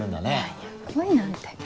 いやいや恋なんて。